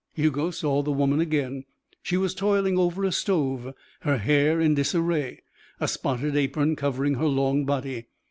Hugo saw the woman again. She was toiling over a stove, her hair in disarray, a spotted apron covering her long body.